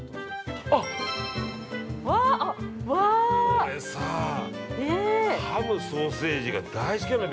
◆俺さあ、ハム・ソーセージが大好きなのよ。